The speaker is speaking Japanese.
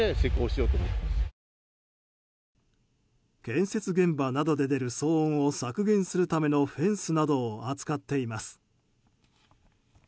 建設現場などで出る騒音を削減するためのフェンスなどを扱っています。